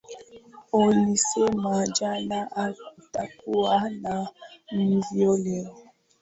Ulisema jana hakutakuwa na mvua leo.